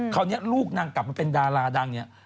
คราวนี้ลูกนางกลับมาเป็นดาราดังเนี่ย